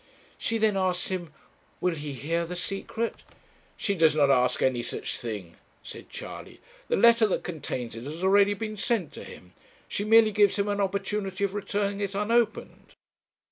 She then asks him will he hear the secret?' 'She does not ask any such thing,' said Charley; 'the letter that contains it has been already sent to him. She merely gives him an opportunity of returning it unopened.'